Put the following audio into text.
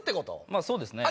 まぁそうですね。